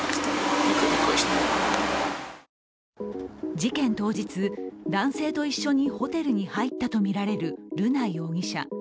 事件当日、男性と一緒にホテルに入ったとみられる瑠奈容疑者。